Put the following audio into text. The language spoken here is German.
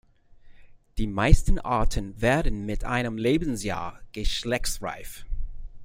Die meisten Arten werden mit einem Lebensjahr geschlechtsreif.